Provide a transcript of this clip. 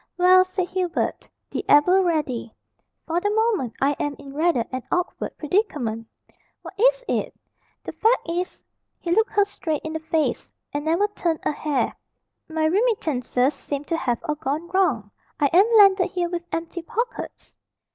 "Well," said Hubert, the ever ready, "for the moment I am in rather an awkward predicament." "What is it?" "The fact is" he looked her straight in the face, and never turned a hair "my remittances seem to have all gone wrong. I am landed here with empty pockets."